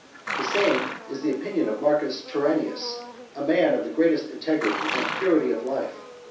The same is the opinion of Marcus Turanius, a man of the greatest integrity and purity of life.